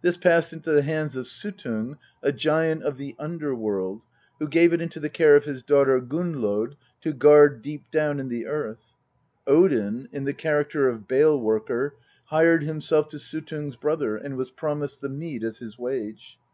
This passed into the hands of Suttung, a giant of the underworld, who gave it into the care of his daughter Gunnlod to guard deep down in the earth. Odin, in the character of Bale worker, hired himself to Suttung's brother, and was promised the mead as his wage.